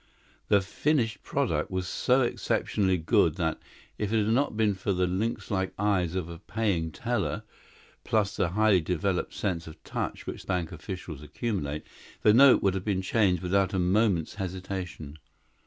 The finished product was so exceptionally good that, if it had not been for the lynxlike eyes of a paying teller plus the highly developed sense of touch which bank officials accumulate the note would have been changed without a moment's hesitation.